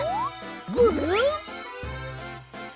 ぐるん！